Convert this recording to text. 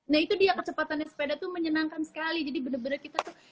nah itu dia kecepatannya sepeda tuh menyenangkan sekali jadi bener bener kita tuh